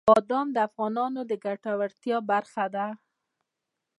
بادام د افغانانو د ګټورتیا برخه ده.